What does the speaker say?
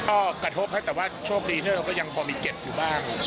ก็กระทบครับแต่ว่าโชคดีที่เราก็ยังพอมีเก็บอยู่บ้าง